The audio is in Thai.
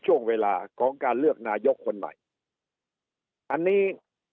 ช่วงเวลาของการเลือกนายกคนใหม่อันนี้